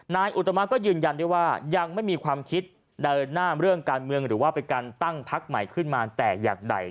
อุตมาก็ยืนยันได้ว่ายังไม่มีความคิดเดินหน้าเรื่องการเมืองหรือว่าเป็นการตั้งพักใหม่ขึ้นมาแต่อย่างใด